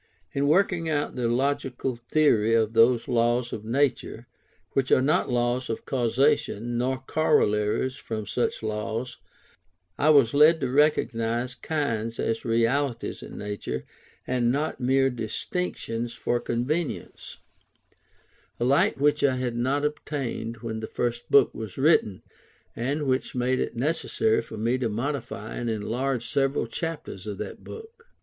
In working out the logical theory of those laws of nature which are not laws of Causation, nor corollaries from such laws, I was led to recognize kinds as realities in nature, and not mere distinctions for convenience; a light which I had not obtained when the First Book was written, and which made it necessary for me to modify and enlarge several chapters of that Book.